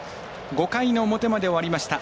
５回の表まで終わりました